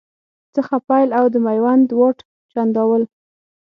څخه پیل او د میوند واټ، چنداول